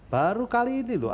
baru kali ini loh